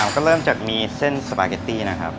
ก็เริ่มจากมีเส้นสปาเกตตี้นะครับ